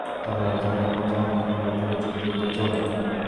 তবে আলোচনার একপর্যায়ে অন্য একটি বৈঠকে যোগ দিতে তিনি চলে যান।